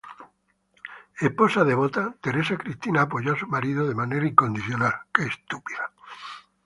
Esposa devota, Teresa Cristina apoyó a su marido de manera incondicional.